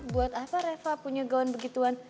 buat apa reva punya gaun begituan